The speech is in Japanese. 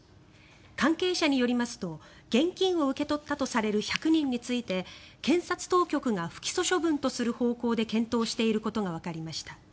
関係者によりますと現金を受け取ったとされる１００人について検察当局が不起訴処分とする方向で検討していることがわかりました。